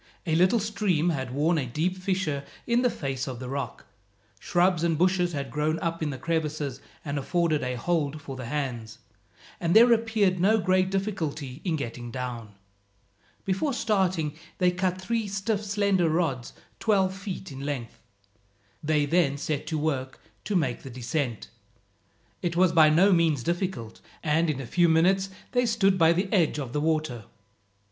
A little stream had worn a deep fissure in the face of the rock. Shrubs and bushes had grown up in the crevices and afforded a hold for the hands, and there appeared no great difficulty in getting down. Before starting they cut three stiff slender rods twelve feet in length. They then set to work to make the descent. It was by no means difficult, and in a few minutes they stood by the edge of the water.